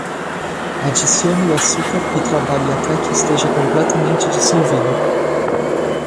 Adicione o açúcar e trabalhe até que esteja completamente dissolvido.